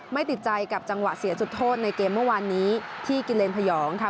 ไม่ติดใจกับจังหวะเสียจุดโทษในเกมเมื่อวานนี้ที่กิเลนพยองค่ะ